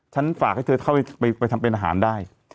ฝากให้เธอเข้าไปทำเป็นอาหารได้